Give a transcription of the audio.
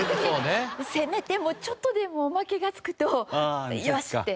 せめてちょっとでもおまけがつくとよしって。